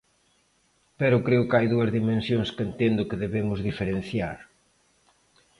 Pero creo que hai dúas dimensións que entendo que debemos diferenciar.